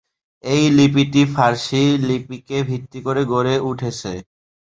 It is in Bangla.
এই লিপিটি ফার্সি লিপিকে ভিত্তি করে গড়ে উঠেছে।